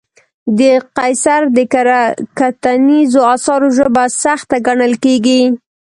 د قیصر د کره کتنیزو اثارو ژبه سخته ګڼل کېږي.